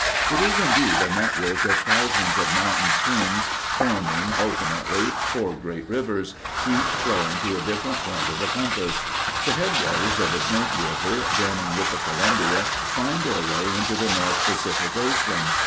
It is, indeed, a network of thousands of mountain streams forming, ultimately, four great rivers, each flowing to a different point of the compass. The headwaters of the Snake River, joining with the Columbia, find their way into the North Pacific Ocean.